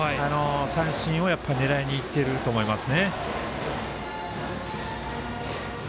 三振を狙いにいってると思います。